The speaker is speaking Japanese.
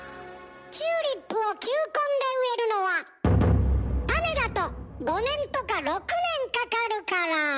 チューリップを球根で植えるのは種だと５年とか６年かかるから。